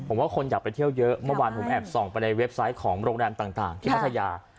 ผมว่าคนอยากไปเที่ยวเยอะเมื่อวานผมแอบส่องไปในเว็บไซต์ของโรงแรมต่างที่พัทยา